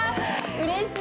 うれしい。